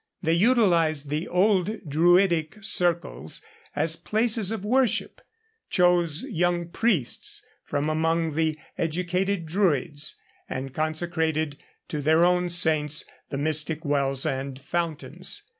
They utilized the old Druidic circles as places of worship, chose young priests from among the educated Druids, and consecrated to their own saints the mystic wells and fountains.